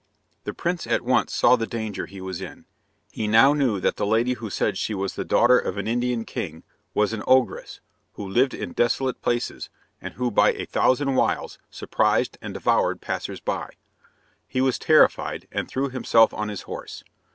The prince at once saw the danger he was in. He now knew that the lady who said she was the daughter of an Indian king was an ogress, who lived in desolate places, and who by a thousand wiles surprised and devoured passers by. He was terrified, and threw himself on his horse.